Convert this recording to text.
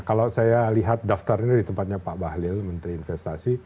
kalau saya lihat daftarnya di tempatnya pak bahlil menteri investasi